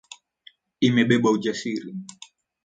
Imebeba ujasiri